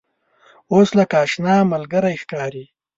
اوس لکه آشنا ملګری ښکاري.